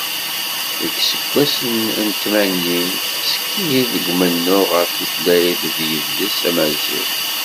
Deg yiseggasen n tmanyin, tettekki deg umennuɣ ɣef tutlayt d yidles amaziɣ.